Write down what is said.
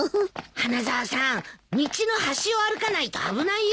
花沢さん道の端を歩かないと危ないよ。